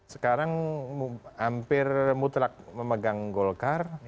sekarang hampir mutlak memegang golkar